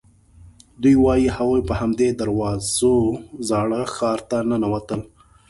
دوی وایي هغوی په همدې دروازو زاړه ښار ته ننوتل.